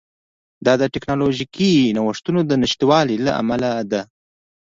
دا د ټکنالوژیکي نوښتونو د نشتوالي له امله ده